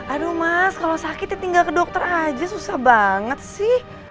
aduh mas kalau sakit ya tinggal ke dokter aja susah banget sih